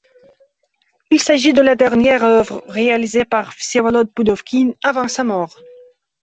Il s'agit de la dernière œuvre réalisée par Vsevolod Poudovkine avant sa mort.